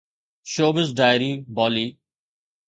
showbiz diary Bali